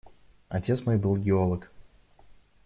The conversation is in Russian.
Отец мой был геолог.